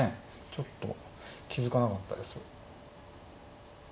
ちょっと気付かなかったです。